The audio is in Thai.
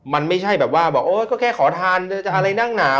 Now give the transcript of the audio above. มันไม่ใช่แบบว่าแค่ขอทานอะไรนั่งหนาวะ